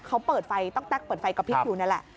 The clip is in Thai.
เขาเปิดไฟต๊อกแก๊กเปิดไฟกระพริบอยู่นั่นแหละ